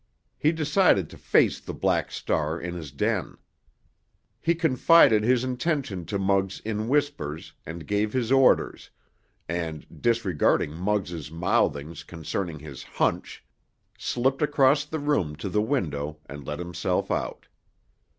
He decided to face the Black Star in his den. He confided his intention to Muggs in whispers and gave his orders, and, disregarding Muggs' mouthings concerning his "hunch," slipped across the room to the window and let himself out.